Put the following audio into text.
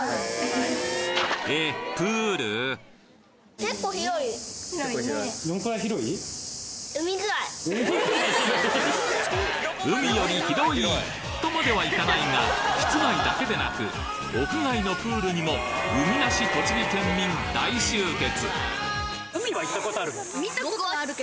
えっ海より広いとまではいかないが室内だけでなく屋外のプールにも海なし栃木県民大集結！